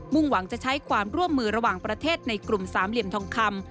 ่งหวังจะใช้ความร่วมมือระหว่างประเทศในกลุ่มสามเหลี่ยมทองคำ